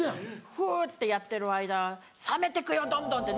フってやってる間冷めてくよどんどんって。